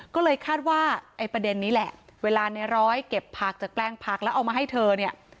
ก็เลยคาดว่าไอ้ประเด็นนี้แหละเวลาในร้อยเก็บผักจากแปลงผักแล้วเอามาให้เธอเนี่ย